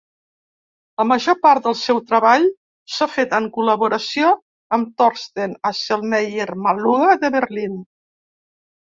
La major part del seu treball s"ha fet en col·laboració amb Torsten Asselmeyer-Maluga de Berlin.